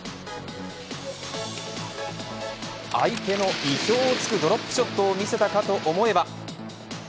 相手の意表を突くドロップショットを見せたかと思えば。